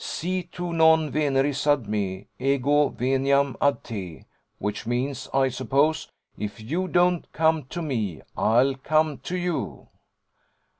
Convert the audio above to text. '"Si tu non veneris ad me, ego veniam ad te," which means, I suppose, "If you don't come to me, I'll come to you."'